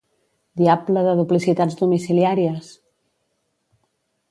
Diable de duplicitats domiciliàries!